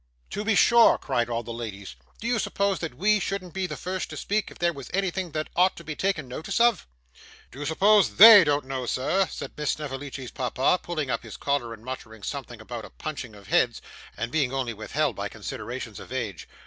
'To be sure,' cried all the ladies. 'Do you suppose WE shouldn't be the first to speak, if there was anything that ought to be taken notice of?' 'Do you suppose THEY don't know, sir?' said Miss Snevellicci's papa, pulling up his collar, and muttering something about a punching of heads, and being only withheld by considerations of age.